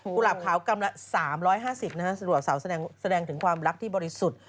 หลาบขาวกำละ๓๕๐นะฮะสำหรับสาวแสดงถึงความรักที่บริสุทธิ์